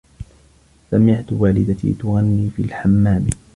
سمعت والدتي تغني في الحمام.